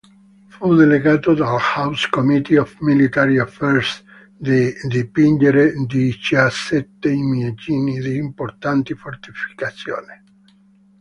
Fu delegato dall'House Committee on Military Affairs di dipingere diciassette immagini di importanti fortificazioni.